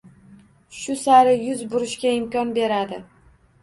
Shu sari yuz burishga imkon beradi.